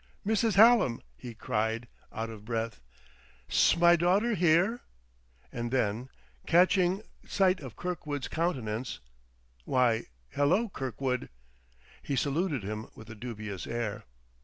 "Mrs. Hallam!" he cried, out of breath. "'S my daughter here?" And then, catching sight of Kirkwood's countenance: "Why, hello, Kirkwood!" he saluted him with a dubious air.